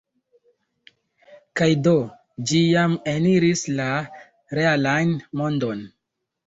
Kaj do, ĝi jam eniris la realan mondon.